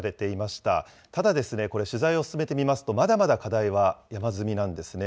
ただですね、これ、取材を進めてみますとまだまだ課題は山積みなんですね。